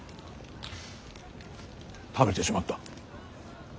食べてしまった。